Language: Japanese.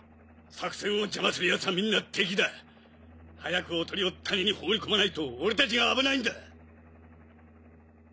作戦を邪魔するヤツはみんな敵だ早くオトリを谷に放り込まないと俺たちが危ないんだ。